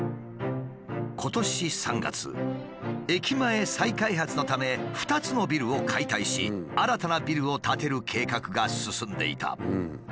今年３月駅前再開発のため２つのビルを解体し新たなビルを建てる計画が進んでいた。